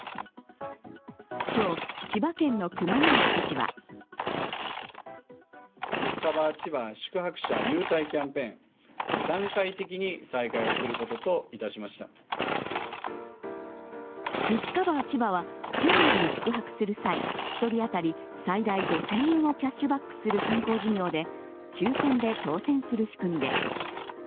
今日、千葉県の熊谷知事はディスカバー千葉は県内に宿泊する際、１人当たり最大５０００円をキャッシュバックする観光事業で抽選で当選する仕組みです。